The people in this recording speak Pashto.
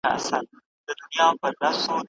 موږ دا ځایونه پېژنو.